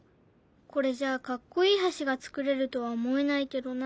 これじゃあかっこいい橋が作れるとは思えないけどな。